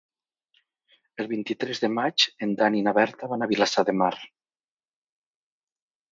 El vint-i-tres de maig en Dan i na Berta van a Vilassar de Mar.